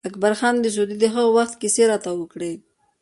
اکبر خان د سعودي د هغه وخت کیسې راته وکړې.